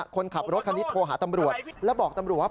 คนขับรถคันนี้โทรหาตำรวจแล้วบอกตำรวจว่า